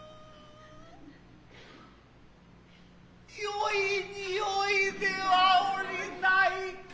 よい匂いではおりないか。